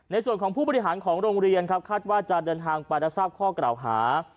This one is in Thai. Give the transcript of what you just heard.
ในส่วนของผู้บริหารของโรงเรียนครับคาดว่าจะเดินทางไปรับทราบข้อกล่าวหา